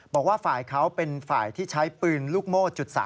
บอกว่าฝ่ายเขาเป็นฝ่ายที่ใช้ปืนลูกโม่๓